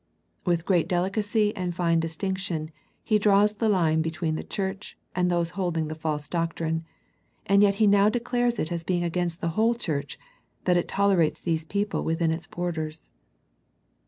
With great delicacy and fine distinc tion He draws the line between the church and those holding the false doctrine, and yet He now declares it as being against the whole church, that it tolerates these people within its borders.